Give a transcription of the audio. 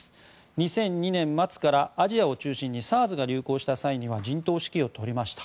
２００２年末からアジアを中心にＳＡＲＳが流行した際には陣頭指揮を執りました。